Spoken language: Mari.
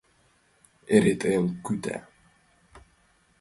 Эре тыйым кӱта.